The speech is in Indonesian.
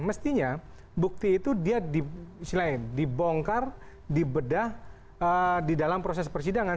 mestinya bukti itu dia di selain dibongkar dibedah di dalam proses persidangan